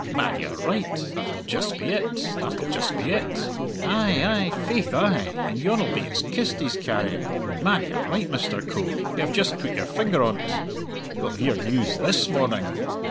"Man, you're right! That'll just be it, that'll just be it! Ay, ay faith ay and yon'll be his kist he's carrying! Man, you're right, Mr. Coe; you have just put your finger on't. We'll hear news this morning."